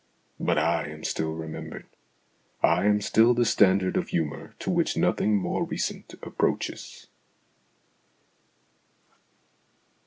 But I am still remembered. I am still the standard of humour to which nothing more recent approaches.